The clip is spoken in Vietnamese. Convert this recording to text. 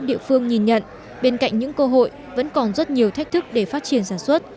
bộ nông nghiệp nhận bên cạnh những cơ hội vẫn còn rất nhiều thách thức để phát triển sản xuất